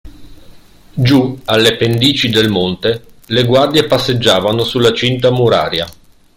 Giù, alle pendici del monte, le guardie passeggiavano sulla cinta muraria.